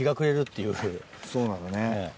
そうなのね。